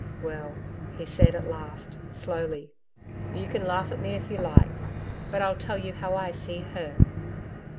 'Well,' he said at last, slowly, 'you can laugh at me if you like, but I'll tell you how I see HER.